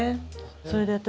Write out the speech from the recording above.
それで私